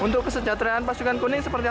untuk kesejahteraan pasukan kuning